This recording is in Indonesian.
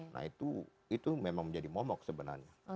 nah itu memang menjadi momok sebenarnya